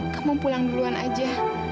kamu pulang duluan aja